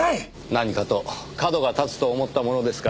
何かと角が立つと思ったものですから。